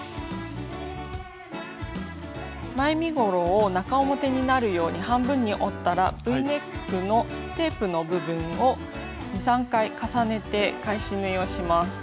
前身ごろを中表になるように半分に折ったらＶネックのテープの部分を２３回重ねて返し縫いをします。